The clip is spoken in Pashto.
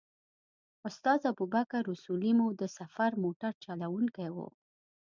استاد ابوبکر اصولي مو د سفر موټر چلوونکی و.